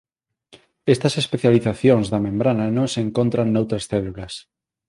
Estas especializacións da membrana non se encontran noutras células.